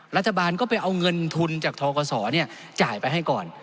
รัฐบาลก็ไปเอาเงินทุนจากทกศจ่ายไปให้ก่อน